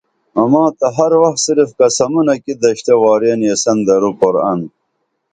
اما تہ ہر وخ صرف قسمونہ کی دشتہ وارین یسن درو قرآن